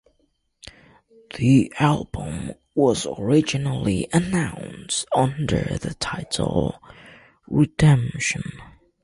The album was originally announced under the title "Redemption".